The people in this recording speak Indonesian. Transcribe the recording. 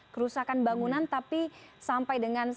kerusakan bangunan tapi sampai dengan